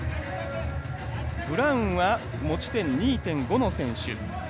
ブラウンは持ち点２．５の選手。